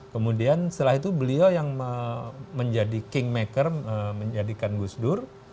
kemudian setelah itu beliau yang menjadi kingmaker menjadikan gus dur